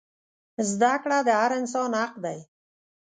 زده کړه د هر انسان حق دی.